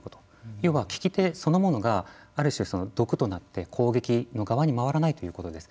要は聞き手そのものがある種、毒となって攻撃の側に回らないということです。